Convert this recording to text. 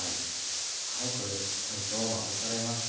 はいこれでしっかりとまぶされました。